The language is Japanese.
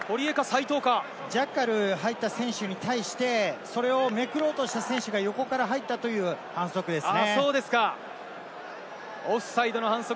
堀江か齋藤か、ジャッカルが入った選手に対して、それをめくろうとした選手が横から入ったという反則ですね。